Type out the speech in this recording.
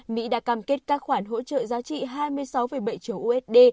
mỹ đã cam kết các khoản hỗ trợ giá trị hai mươi sáu bảy triệu usd